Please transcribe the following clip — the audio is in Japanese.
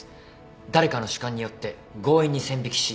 誰かの主観によって強引に線引きし切り捨てる。